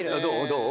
どう？